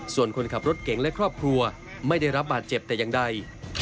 ส่วนคนขับรถเก่งและครอบครัวไม่ได้รับบาดเจ็บแต่อย่างใด